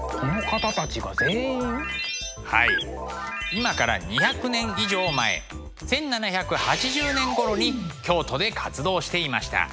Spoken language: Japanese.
今から２００年以上前１７８０年ごろに京都で活動していました。